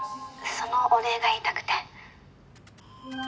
そのお礼が言いたくて」